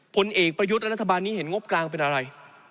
ผลเอกประยุทธ์และรัฐบาลนี้เห็นงบกลางเป็นอะไร